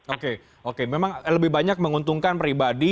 oke oke memang lebih banyak menguntungkan pribadi